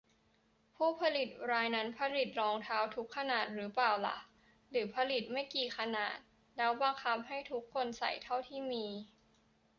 ผู้ผลิตรายนั้นผลิตรองเท้าทุกขนาดรึเปล่าล่ะ หรือผลิตไม่กี่ขนาด แล้วบังคับให้ทุกคนใส่เท่าที่มี